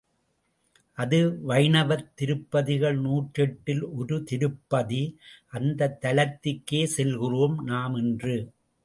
அது வைணவத் திருப்பதிகள் நூற்றெட்டில் ஒரு திருப்பதி, அந்தத் தலத்துக்கே செல்கிறோம் நாம் இன்று.